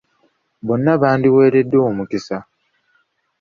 Bonna bandiweereddwa omukisa.